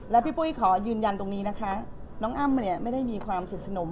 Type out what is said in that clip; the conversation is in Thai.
และพี่ปุ๊ยขอยืนยันตรงนี้นะคะน้องอ้ำไม่ได้มีความเสร็จสนม